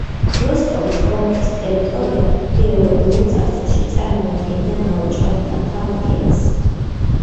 როსტოვის ოლქის ტერიტორია გეოლოგიურ წარსულში წარმოადგენდა ნაოჭა მთათა ქედს.